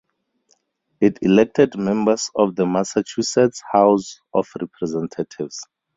It elected members of the Massachusetts House of Representatives.